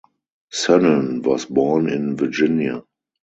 Synon was born in Virginia.